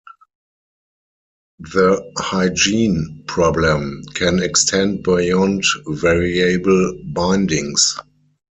The "hygiene problem" can extend beyond variable bindings.